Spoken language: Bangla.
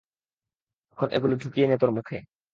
এখন এগুলো ঢুকিয়ে নে তোর মুখে।